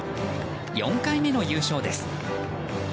４回目の優勝です。